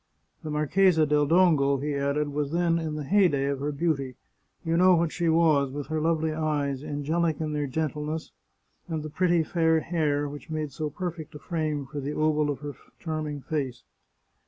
" The Marchesa del Dongo," he added, " was then in the heyday of her beauty. You know what she was, with her lovely eyes, angelic in their gentleness, and the pretty, fair hair, which made so perfect a frame for the oval of her charming face.